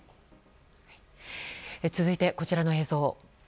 続いて、こちらの映像。